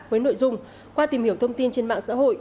với nội dung qua tìm hiểu thông tin trên mạng xã hội